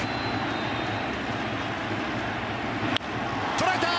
捉えた！